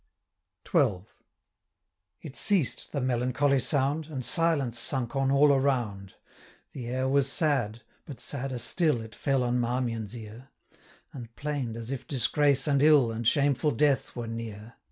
XII. It ceased, the melancholy sound; And silence sunk on all around. 185 The air was sad; but sadder still It fell on Marmion's ear, And plain'd as if disgrace and ill, And shameful death, were near.